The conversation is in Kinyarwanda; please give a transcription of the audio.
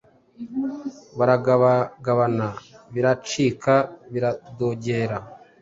baragabagabana biracika biradogera